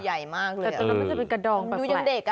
แต่มันจะเป็นกระดองแบบแปลก